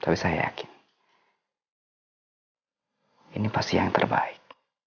tapi saya yakin ini pasti yang terbaik